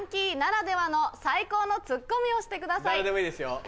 誰でもいいですよ。